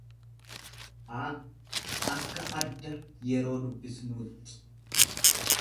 a akka adda yeroo dubbisnuutti.